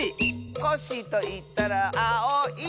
「コッシーといったらあおい！」